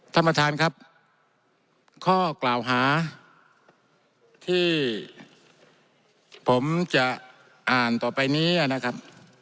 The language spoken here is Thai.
ท่านประธานครับข้อกล่าวหาที่ผมจะอ่านต่อไปนี้นะครับ